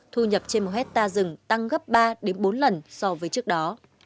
thu nhập trên một hectare rừng tăng gấp ba bốn lần so với trước đó